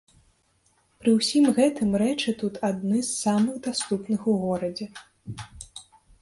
Пры ўсім гэтым рэчы тут адны з самых даступных у горадзе.